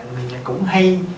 mình cũng hay